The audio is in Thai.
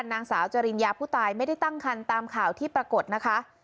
นางสาวจริญญาผู้ตายไม่ได้ตั้งคันตามข่าวที่ปรากฏนะคะ